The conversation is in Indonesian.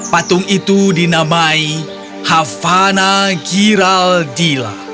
patung itu dinamai havana giraldilla